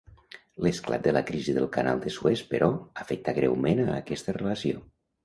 L'esclat de la Crisi del Canal de Suez però, afectà greument a aquesta relació.